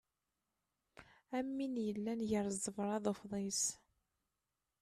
Am win yellan gar ẓẓebra d ufḍis.